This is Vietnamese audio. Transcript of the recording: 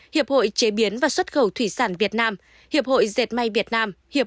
hiệp hội chế biến và xuất khẩu thủy sản việt nam hiệp hội dệt may việt nam hiệp